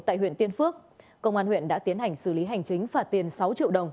tại huyện tiên phước công an huyện đã tiến hành xử lý hành chính phạt tiền sáu triệu đồng